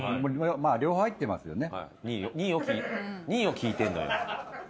まあ両方入ってますよね。